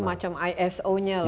semacam iso nya lah